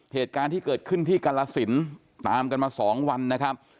เหตุการณ์ที่เกิดขึ้นที่กรสินตามกันมาสองวันนะครับ